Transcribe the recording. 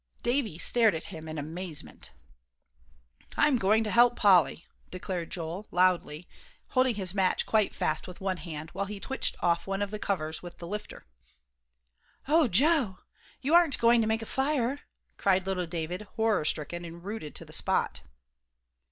Davie stared at him in amazement. "I'm going to help Polly," declared Joel, loudly, holding his match quite fast with one hand, while he twitched off one of the covers, with the lifter. "Oh, Joe, you aren't going to make a fire?" cried little David, horror stricken, and rooted to the spot.